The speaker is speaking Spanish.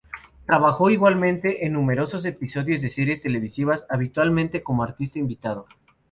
Trabajó igualmente en numerosos episodios de series televisivas, habitualmente como artista invitado.